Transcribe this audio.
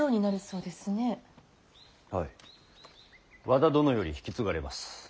和田殿より引き継がれます。